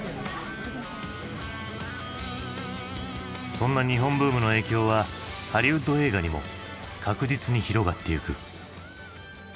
そんな日本ブームの影響はハリウッド映画にも確実に広がってゆく。